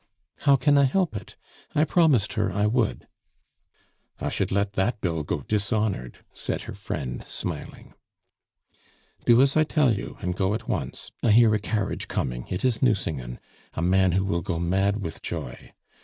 "How can I help it? I promised her I would." "I should let that bill go dishonored," said her friend, smiling. "Do as I tell you, and go at once. I hear a carriage coming. It is Nucingen, a man who will go mad with joy!